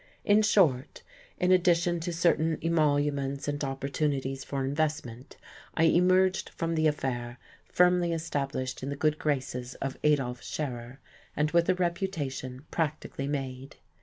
In short, in addition to certain emoluments and opportunities for investment, I emerged from the affair firmly established in the good graces of Adolf Scherer, and with a reputation practically made.